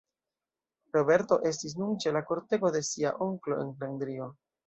Roberto estis nun ĉe la kortego de sia onklo en Flandrio.